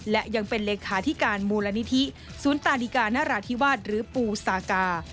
และยังเป็นเลขาธิการมูลนิธิศูนย์ตาดิกานราธิวาสหรือปูซากา